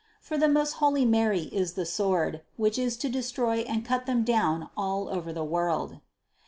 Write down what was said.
For the most holy Mary is the sword, which is to destroy and cut them down all over the world.